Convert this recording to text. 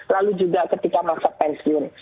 lalu juga ketika masa pensiun